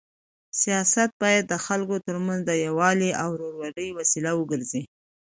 سیاست باید د خلکو تر منځ د یووالي او ورورولۍ وسیله وګرځي.